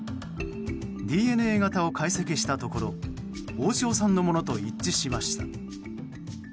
ＤＮＡ型を解析したところ大塩さんのものと一致しました。